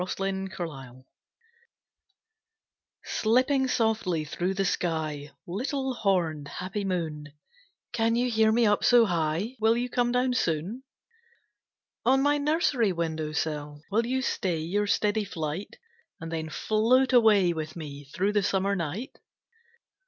The Crescent Moon Slipping softly through the sky Little horned, happy moon, Can you hear me up so high? Will you come down soon? On my nursery window sill Will you stay your steady flight? And then float away with me Through the summer night?